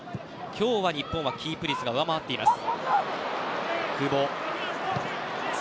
今日は日本キープ率が上回っています。